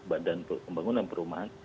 badan pembangunan perumahan